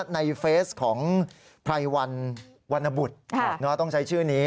ในเฟสของไพรวันวรรณบุตรต้องใช้ชื่อนี้